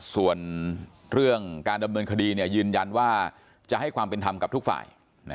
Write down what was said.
ส่วนเรื่องการดำเนินคดียืนยันว่าจะให้ความเป็นธรรมกับทุกฝ่าย